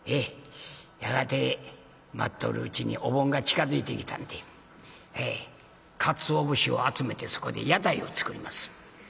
やがて待っとるうちにお盆が近づいてきたんでかつお節を集めてそこで屋台を作ります。